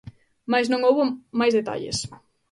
Mais non houbo máis detalles.